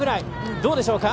どうでしょうか。